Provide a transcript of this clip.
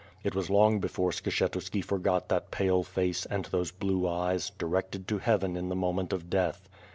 It was long before Skshetuski forgot that j)ale face and those blue eyes, directed to Heaven in the moment of death.